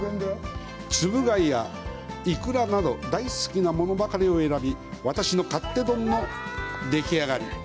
ツブ貝やイクラなど大好きなものばかりを選び、私の勝手丼のでき上がり。